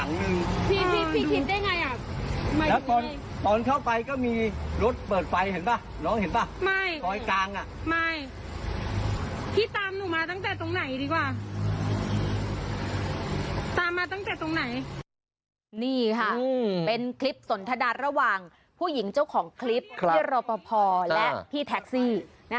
นี่ค่ะเป็นคลิปสนทดาระหว่างผู้หญิงเจ้าของคลิปพี่รอปภและพี่แท็กซี่